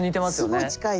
すごい近いです。